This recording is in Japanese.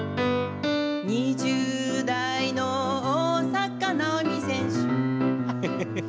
「２０代の大坂なおみ選手」